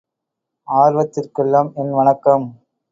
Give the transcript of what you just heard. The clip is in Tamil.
ஆர்வத்திற்கெல்லாம் என் வணக்கம்.